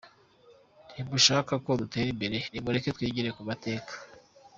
Ntimushakako dutera imbere ntimureke twigire ku mateka.